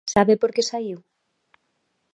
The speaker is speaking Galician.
¿Sabe por que saíu?